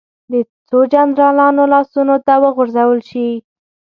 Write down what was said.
د څو جنرالانو لاسونو ته وغورځول شي.